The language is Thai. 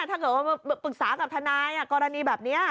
ถ้าเกิดว่าปรึกษากับทนายกรณีแบบนี้